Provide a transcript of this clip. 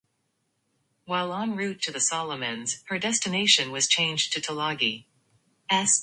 While en route to the Solomons, her destination was changed to Tulagi.